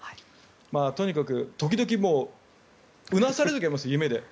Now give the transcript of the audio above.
とにかく時々うなされる時あります、夢で。